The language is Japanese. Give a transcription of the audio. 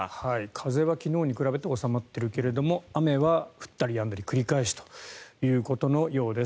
風は昨日に比べて収まっているけれど雨は降ったりやんだり繰り返しということのようです。